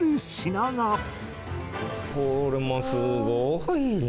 これもすごいね。